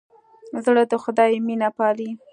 زړه د خدای مینه پالي.